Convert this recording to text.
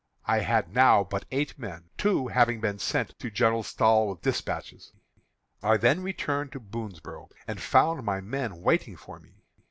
I had now but eight men, two having been sent to General Stahel with despatches. "I then returned to Boonsboro', and found my men waiting for me.